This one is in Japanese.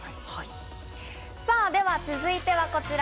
さぁでは続いてはこちら。